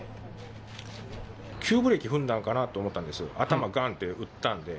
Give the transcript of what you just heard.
急ブレーキ踏んだのかなと思ったんです、頭がんって打ったんで。